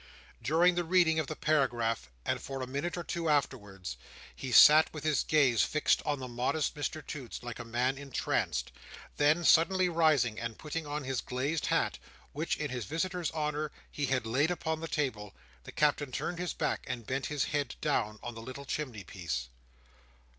During the reading of the paragraph, and for a minute or two afterwards, he sat with his gaze fixed on the modest Mr Toots, like a man entranced; then, suddenly rising, and putting on his glazed hat, which, in his visitor's honour, he had laid upon the table, the Captain turned his back, and bent his head down on the little chimneypiece.